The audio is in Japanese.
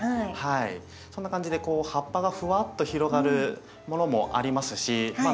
そんな感じでこう葉っぱがふわっと広がるものもありますしま